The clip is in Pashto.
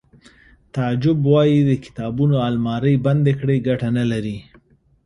تعجب وایی د کتابونو المارۍ بندې کړئ ګټه نلري